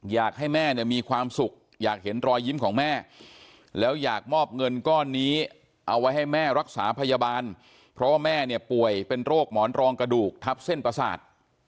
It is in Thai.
อยากให้แม่เนี่ยมีความสุขอยากเห็นรอยยิ้มของแม่แล้วอยากมอบเงินก้อนนี้เอาไว้ให้แม่รักษาพยาบาลเพราะว่าแม่เนี่ยป่วยเป็นโรคหมอนรองกระดูกทับเส้นประสาท